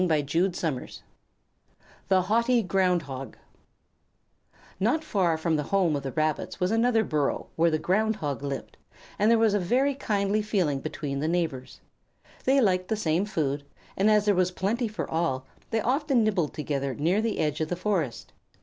THE HAUGHTY GROUND HOG Not far from the home of the Rabbits was another burrow where the Ground Hog lived, and there was a very kindly feeling between the neighbors. They liked the same food, and as there was plenty for all, they often nibbled together near the edge of the forest.